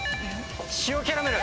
塩キャラメル！